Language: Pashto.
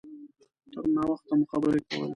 تر ناوخته مو خبرې کولې.